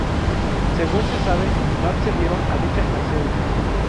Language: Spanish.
Según se sabe, no accedieron a dichas mercedes.